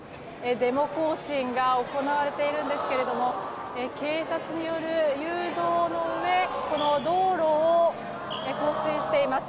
デモ行進が行われているんですけれども警察による誘導のうえ道路を行進しています。